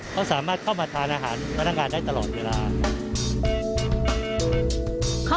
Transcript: เขาสามารถเข้ามาทานอาหารพนักงานได้ตลอดเวลา